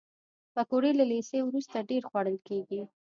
پکورې له لیسې وروسته ډېرې خوړل کېږي